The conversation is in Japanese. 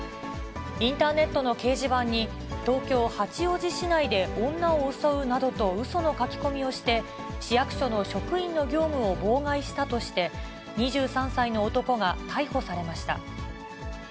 インターネットの掲示板に、東京・八王子市内で女を襲うなどとうその書き込みをして、市役所の職員の業務を妨害したとして、２３歳の男が逮捕されました。